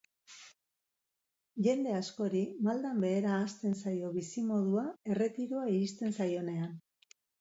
Jende askori maldan behera hasten zaio bizimodua erretiroa iristen zaionean.